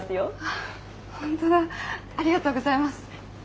ああ本当だありがとうございます！